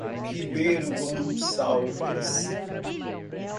Ribeiro Gonçalves